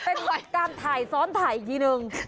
เป็นบัตรการถ่ายซ้อนถ่ายอีกทีนึง